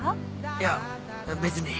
いや別に。